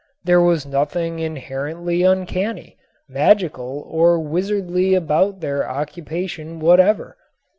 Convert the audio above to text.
There was nothing inherently uncanny, magical or wizardly about their occupation whatever.